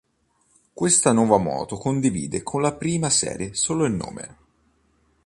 Questa nuova moto condivide con la prima serie solo il nome.